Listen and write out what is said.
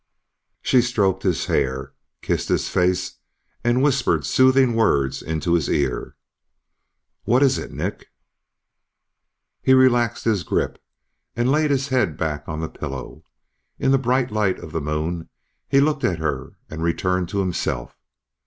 She stroked his hair, kissed his face and whispered soothing words into his ear. "What is it, Nick?" He relaxed his grip and laid his head back on the pillow. In the bright light of the moon, he looked at her and returned to himself.